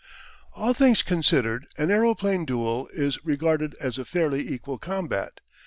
All things considered an aeroplane duel is regarded as a fairly equal combat.